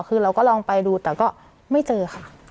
คือเราก็ลองไปดูแต่ก็ไม่เจอค่ะ